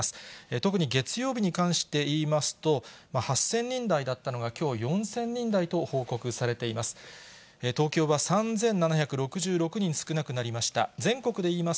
特に月曜日に関していいますと、８０００人台だったのが、きょう４０００人台と報告されています。